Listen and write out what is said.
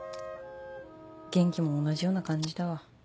元気も同じような感じだわ。